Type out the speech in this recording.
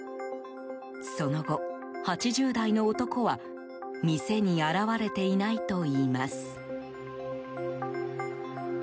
その後、８０代の男は店に現れていないといいます。